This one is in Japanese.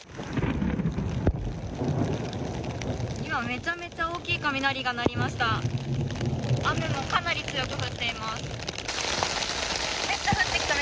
今めちゃめちゃ大きい雷が鳴りました。